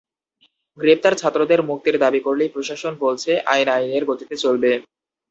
গ্রেপ্তার ছাত্রদের মুক্তির দাবি করলেই প্রশাসন বলছে আইন আইনের গতিতে চলবে।